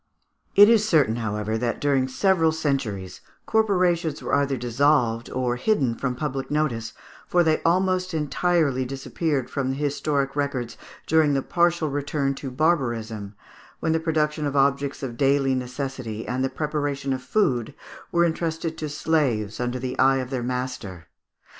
] It is certain, however, that during several centuries corporations were either dissolved or hidden from public notice, for they almost entirely disappeared from the historic records during the partial return to barbarism, when the production of objects of daily necessity and the preparation of food were entrusted to slaves under the eye of their master.